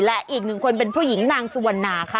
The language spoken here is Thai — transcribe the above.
และอีก๑คนเป็นผู้หญิงนางสวนนาค่ะ